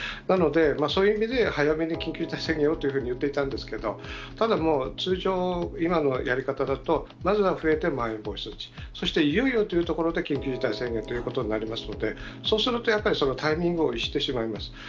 なので、そういう意味で早めに緊急事態宣言をというふうに言っていたんですけど、ただもう、通常、今のやり方だと、まずは増えてまん延防止措置、そしていよいよというところで緊急事態宣言ということになりますので、そうするとやっぱり、そのタイミングを逸してしまいます。